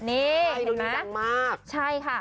ใช่ดูดังมาก